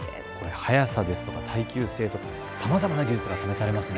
速さですとか耐久性とか、さまざまな技術が試されますね。